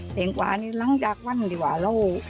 แตงกวานี่หลังจากวันดีกว่าแล้วปลูกนี้